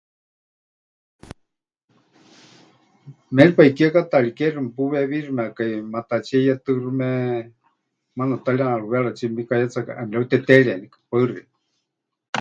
Méripai kiekátaari kexiu mepuweewíximekai matatsíe ʼiyetɨɨxɨme, maana ta ri ʼarueratsie memikáyetsakai ʼemɨreuteteerenikɨ. Paɨ xeikɨ́a.